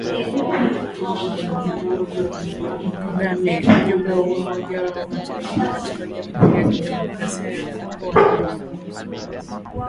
Kagame: Ujumbe wa Umoja wa Mataifa katika Jamhuri ya Kidemokrasia ya Kongo wanajua kuhusu waasi.